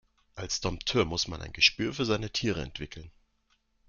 Als Dompteur muss man ein Gespür für seine Tiere entwickeln.